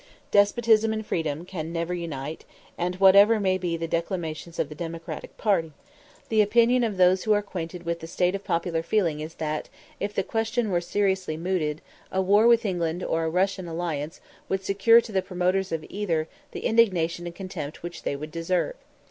Despotism and freedom can never unite; and whatever may be the declamations of the democratic party, the opinion of those who are acquainted with the state of popular feeling is that, if the question were seriously mooted, a war with England or a Russian alliance would secure to the promoters of either the indignation and contempt which they would deserve.